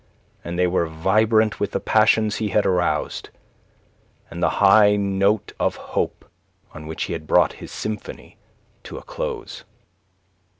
And they were vibrant with the passions he had aroused, and the high note of hope on which he had brought his symphony to a close.